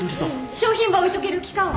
商品ば置いとける期間は？